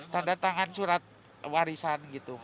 tanda tangan surat warisan gitu